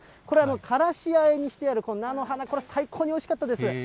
これ、からしあえにしてあるこの菜の花、これ、最高においしかったです。